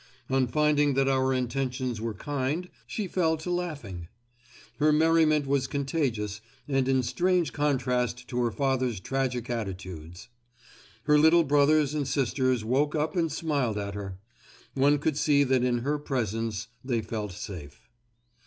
On finding that our intentions were kind, she fell to laughing. Her merriment was contagious and in strange contrast to her father's tragic attitudes. Her little brothers and sisters woke up and smiled at her. One could see that in her presence they felt safe.